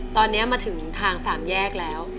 ตอนนี้มาถึงทางสามแยกแล้ว